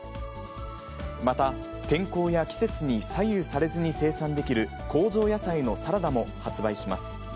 また、天候や季節に左右されずに生産できる工場野菜のサラダも発売します。